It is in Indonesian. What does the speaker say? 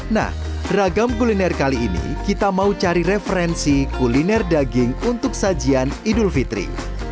nah ragam kuliner kali ini kita mau cari referensi kuliner daging untuk sajian idul fitri